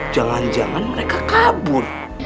jangan jangan mereka kabur